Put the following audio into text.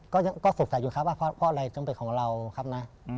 ก็สงสัยอยู่ครับว่าเพราะอะไรต้องเป็นของเราครับนะ